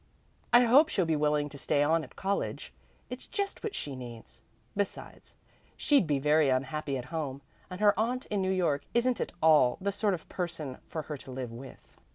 I hope she'll be willing to stay on at college. It's just what she needs. Besides, she'd be very unhappy at home, and her aunt in New York isn't at all the sort of person for her to live with."